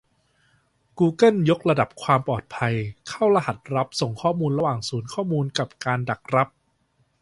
กูเกิลยกระดับความปลอดภัย เข้ารหัสรับส่งข้อมูลระหว่างศูนย์ข้อมูล กันการดักรับ